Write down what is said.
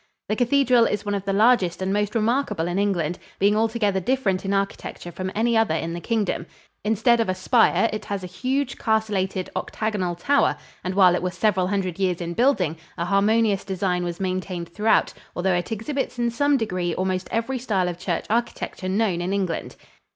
The cathedral is one of the largest and most remarkable in England, being altogether different in architecture from any other in the Kingdom. Instead of a spire, it has a huge, castellated, octagonal tower, and while it was several hundred years in building, a harmonious design was maintained throughout, although it exhibits in some degree almost every style of church architecture known in England.